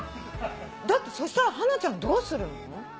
だってそしたらハナちゃんどうするの？